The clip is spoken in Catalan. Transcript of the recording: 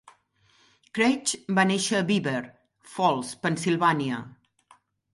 Creach va néixer a Beaver Falls, Pennsylvania.